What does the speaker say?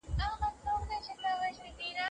موږ به له تېروتنو درس واولو.